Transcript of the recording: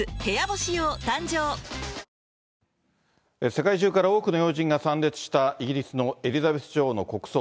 世界中から多くの要人が参列したイギリスのエリザベス女王の国葬。